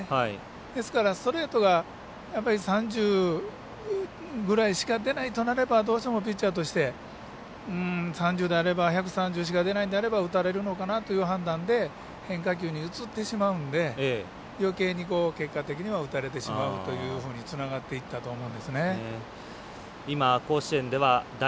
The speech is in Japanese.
ですから、ストレートが１３０ぐらいしか出ないとなればどうしてもピッチャーとして１３０しか出ないんであれば打たれるのかなという判断で変化球に移ってしまうんでよけいに結果的には打たれてしまうということにつながっていったと思うんですね。